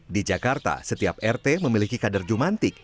di jakarta setiap rt memiliki kader jumantik